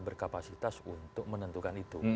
berkapasitas untuk menentukan itu